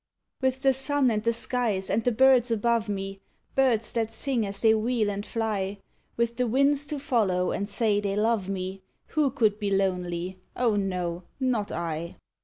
With the sun, and the skies, and the birds above me, Birds that sing as they wheel and fly With the winds to follow and say they love me Who could be lonely? O ho, not I!